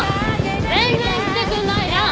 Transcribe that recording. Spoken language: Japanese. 全然来てくんないじゃん！